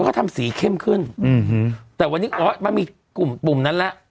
เพราะว่าทำสีเข้มขึ้นอื้ออื้อแต่วันนี้อ๋อมันมีกลุ่มนั้นละ